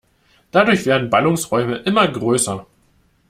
Dadurch werden Ballungsräume immer größer.